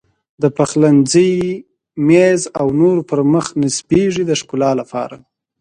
د پخلنځي میز او نورو پر مخ نصبېږي د ښکلا لپاره.